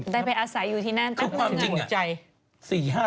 ได้ไปอาศัยอยู่ที่นั่นต้องเงินเงินหัวใจ